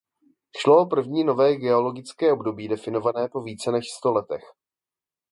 Šlo o první nové geologické období definované po více než sto letech.